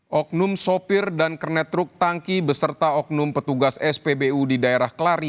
bbm pertalit campur air